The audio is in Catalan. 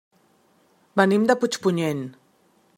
Venim de Puigpunyent.